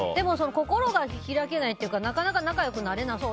心が開けないっていうかなかなか仲良くなれなそう。